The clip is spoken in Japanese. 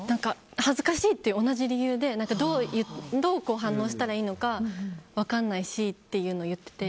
恥ずかしいっていう同じ理由でどう反応したらいいのか分からないしっていうのを言ってて。